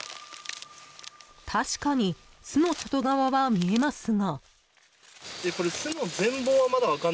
確かに、巣の外側は見えますが。